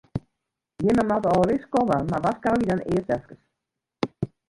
Jimme moatte al ris komme, mar warskôgje dan earst efkes.